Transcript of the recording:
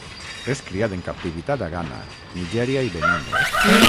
És criat en captivitat a Ghana, Nigèria i Benín.